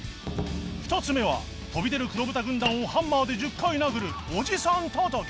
２つ目は飛び出る黒豚軍団をハンマーで１０回殴るおじさん叩き